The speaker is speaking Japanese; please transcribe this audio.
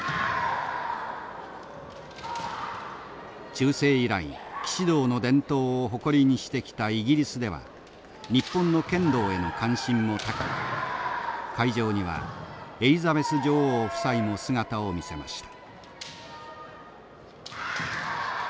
中世以来騎士道の伝統を誇りにしてきたイギリスでは日本の剣道への関心も高く会場にはエリザベス女王夫妻も姿を見せました。